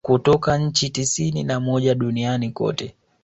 Kutoka nchi tisini na moja duniani kote